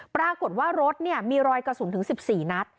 ปรากฏว่ารถมีรอยกระสุนถึง๑๔นัด